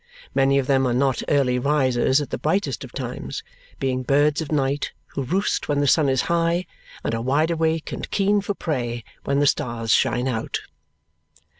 Many of them are not early risers at the brightest of times, being birds of night who roost when the sun is high and are wide awake and keen for prey when the stars shine out.